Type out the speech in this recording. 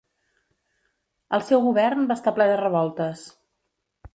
El seu govern va estar ple de revoltes.